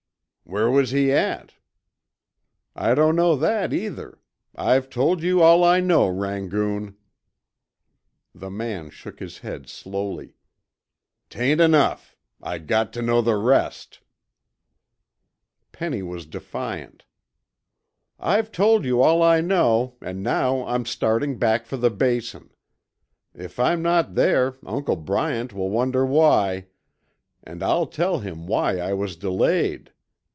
"Where was he at?" "I don't know that either. I've told you all I know, Rangoon." The man shook his head slowly, "'Tain't enough. I got tuh know the rest." Penny was defiant. "I've told you all I know and now I'm starting back for the Basin. If I'm not there Uncle Bryant will wonder why, and I'll tell him why I was delayed.